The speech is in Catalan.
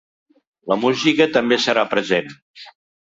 La música també serà present.